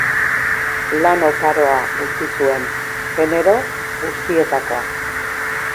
Lan oparoa utzi zuen, genero guztietakoa.